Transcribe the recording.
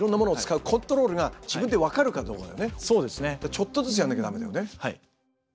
ちょっとずつやらなきゃ駄目だよね。